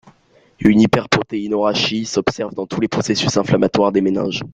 Une hyperprotéinorachie s'observe dans tous les processus inflammatoires des méninges.